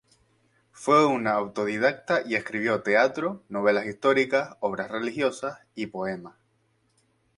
Fue un autodidacta y escribió teatro, novelas históricas, obras religiosas y poemas.